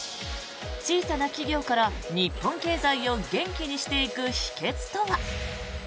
小さな企業から日本経済を元気にしていく秘けつとは。